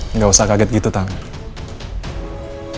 nggak usah kaget gitu kang